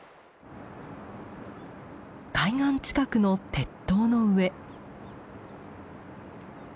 海岸近くの鉄塔の上。